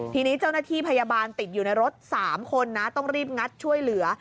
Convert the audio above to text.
ทีนี้เจ้าหน้าที่พยาบาลติดอยู่ในรถ๓คนนะต้องรีบงัดช่วยเหลือ